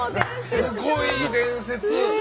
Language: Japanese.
すごい伝説。ね。